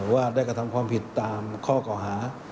ว่าได้กระทำความผิดตามข้อเก่าหา